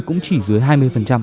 cũng chỉ dưới hai mươi